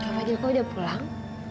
kava mila kau udah pulang